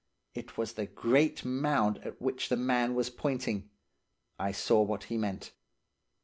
It was the great mound at which the man was pointing. I saw what he meant.